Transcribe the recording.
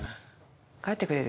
帰ってくれる？